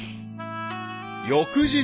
［翌日］